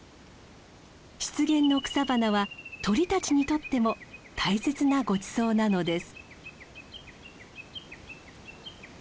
湿原の草花は鳥たちにとっても大切なごちそうなのです。